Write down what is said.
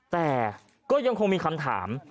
แต่ก็ยังคงมีคำถาม